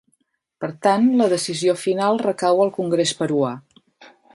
Per tant, la decisió final recau al Congrés peruà.